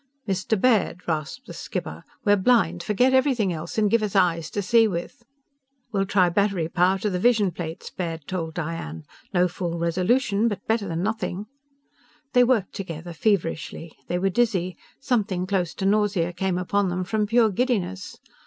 "Mr. Baird," rasped the skipper. "We're blind! Forget everything else and give us eyes to see with!" "We'll try battery power to the vision plates," Baird told Diane. "No full resolution, but better than nothing " They worked together, feverishly. They were dizzy. Something close to nausea came upon them from pure giddiness.